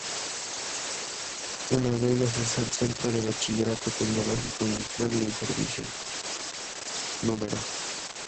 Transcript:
Una de ellas es el Centro de Bachillerato Tecnológico Industrial y de Servicios No.